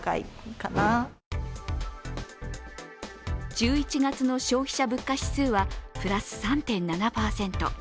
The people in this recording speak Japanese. １１月の消費者物価指数はプラス３．７％。